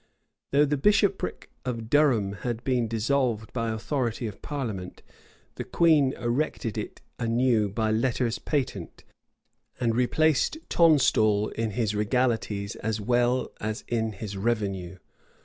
Though the bishopric of Durham had been dissolved by authority of parliament, the queen erected it anew by letters patent, and replaced Tonstal in his regalities as well as in his revenue.